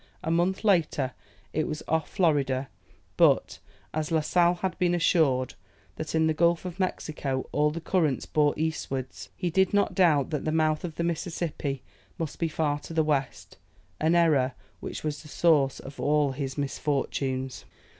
A month later, it was off Florida; but, as "La Sale had been assured that in the Gulf of Mexico, all the currents bore eastwards, he did not doubt that the mouth of the Mississippi must be far to the west; an error which was the source of all his misfortunes."